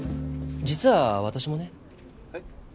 実は私もね。えっ？